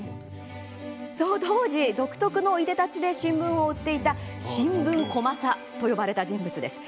当時、独特のいでたちで新聞を売っていた新聞小政と呼ばれた人物です。